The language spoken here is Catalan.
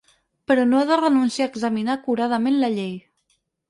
Però no ha de renunciar a examinar acuradament la llei.